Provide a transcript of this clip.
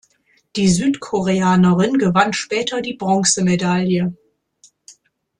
Die Südkoreanerin gewann später die Bronzemedaille.